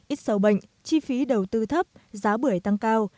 ít sầu bệnh chi phí đầu tư thấp giá bưởi tăng cao